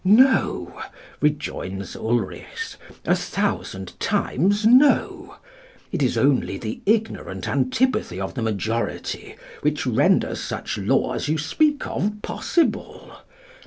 No, rejoins Ulrichs, a thousand times no! It is only the ignorant antipathy of the majority which renders such law as you speak of possible.